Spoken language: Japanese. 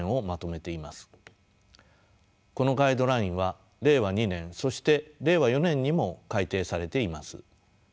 このガイドラインは令和２年そして令和４年にも改訂されています。